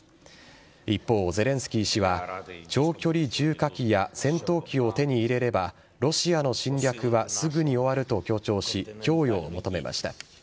一方、ゼレンスキー氏は長距離重火器や戦闘機を手に入れればロシアの侵略はすぐに終わると強調し供与を求めました。